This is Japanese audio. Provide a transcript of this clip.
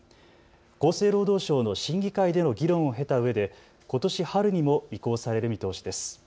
厚生労働省の審議会での議論を経たうえでことし春にも移行される見通しです。